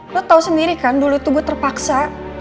lo tau sendiri kan dulu tuh gue terpaksa